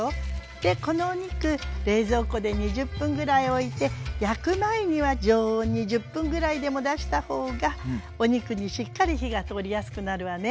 でこのお肉冷蔵庫で２０分ぐらいおいて焼く前には常温に１０分ぐらいでも出した方がお肉にしっかり火が通りやすくなるわね。